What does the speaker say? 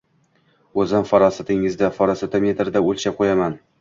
O‘zim farosatingizni farosatometrda o‘lchab qo‘yaman.